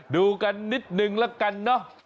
ดูกันนิดนึงละกันเนอะ